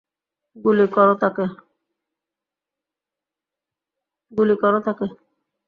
গুলি করো তাকে।